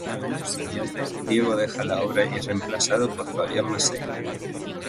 Al año siguiente, Diego deja la obra y es reemplazado por Fabián Mazzei.